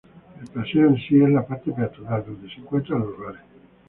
El Paseo en sí, es la parte peatonal, donde se encuentran los bares.